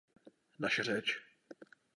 Naše řeč.